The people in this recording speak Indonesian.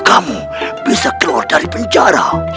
kamu bisa keluar dari penjara